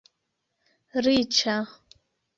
riĉa